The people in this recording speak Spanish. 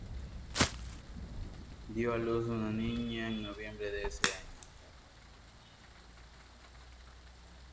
Dio a luz a una niña en noviembre de ese año.